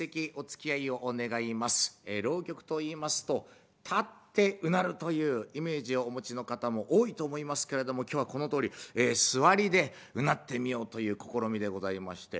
浪曲といいますと立ってうなるというイメージをお持ちの方も多いと思いますけれども今日はこのとおり座りでうなってみようという試みでございまして。